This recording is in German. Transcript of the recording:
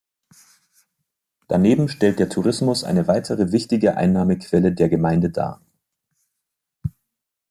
Daneben stellt der Tourismus eine weitere wichtige Einnahmequelle der Gemeinde dar.